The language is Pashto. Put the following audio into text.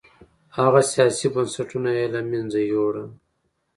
هغه سیاسي بنسټونه یې له منځه یووړل